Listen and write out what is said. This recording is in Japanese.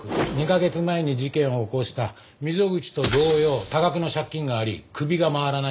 ２カ月前に事件を起こした溝口と同様多額の借金があり首が回らない状態でした。